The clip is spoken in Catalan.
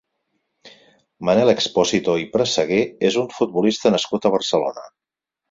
Manel Expósito i Presseguer és un futbolista nascut a Barcelona.